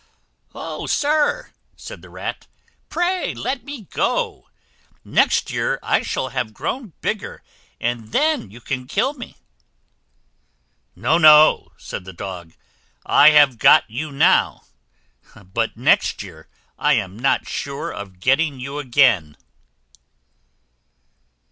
"O, sir!" said the Rat, "pray let me go. Next year I shall have grown bigger, and then you can kill me." "No, no," said the Dog; "I have got you now, but next year I am not sure of getting you again."